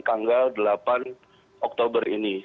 tanggal delapan oktober ini